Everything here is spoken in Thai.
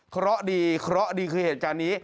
เพราะดีเคราะห์ดีคือเหตุการณ์นี้